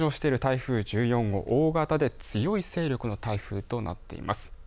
現在、九州付近を北上している台風１４号、大型で強い勢力の台風となっています。